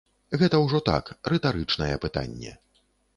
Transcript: Гэта ўжо так, рытарычнае пытанне.